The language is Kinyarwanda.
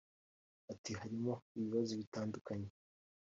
Ati “Harimo ibibazo bitandukanye